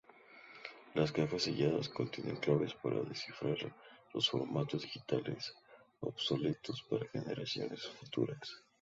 Las cajas selladas contienen claves para descifrar los formatos digitales obsoletos para generaciones futuras.